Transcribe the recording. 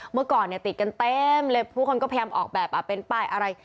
เมื่อก่อนเนี่ยติดกันเต็มเลยผู้คนก็พยายามออกแบบเป็นป้ายอะไร